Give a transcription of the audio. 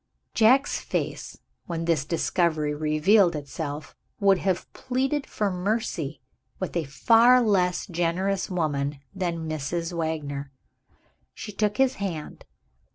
Jack's face, when this discovery revealed itself, would have pleaded for mercy with a far less generous woman than Mrs. Wagner. She took his hand.